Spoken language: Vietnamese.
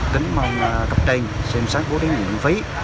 tính mong cấp trên xem sát vô tính nguyện phí